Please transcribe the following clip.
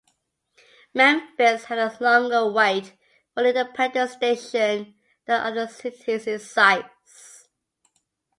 Memphis had a longer wait for an independent station than other cities its size.